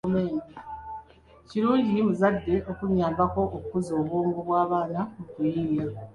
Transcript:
Kirungi omuzadde okunyambako okukuza obwongo bw’abaana mu kuyiiya.